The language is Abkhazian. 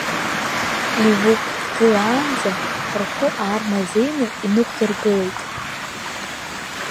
Ливук дгылаанӡа, рхәы аармазеины инықәлыргылеит.